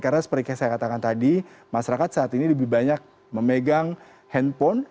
karena seperti yang saya katakan tadi masyarakat saat ini lebih banyak memegang handphone